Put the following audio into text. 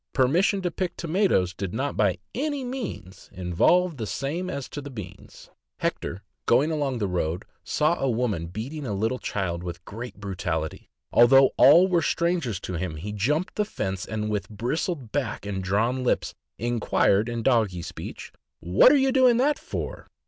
Permission to pick tomatoes did not by any means involve the same as to beans. Hector, going along the road, saw a woman beating a little child with great brutality; although all were stran gers to him, he jumped the fence, and with bristled back and drawn lips inquired, in doggy speech, '' What are you doing that for?"